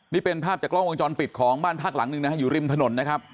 นี่เป็นภาพจากกล้องวงจรปิดของบ้านพักหลังหนึ่งนะฮะอยู่ริมถนนนะครับ